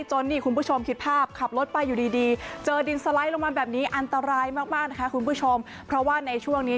นี่คุณผู้ชมคิดภาพขับรถไปอยู่ดีดีเจอดินสไลด์ลงมาแบบนี้อันตรายมากมากนะคะคุณผู้ชมเพราะว่าในช่วงนี้